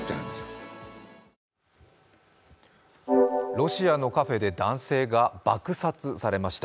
ロシアのカフェで男性が爆殺されました。